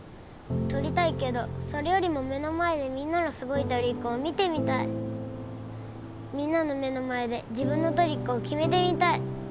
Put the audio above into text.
とりたいけどそれよりも目の前でみんなのすごいトリックを見てみたいみんなの目の前で自分のトリックを決めてみたい